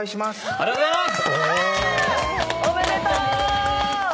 ありがとうございます。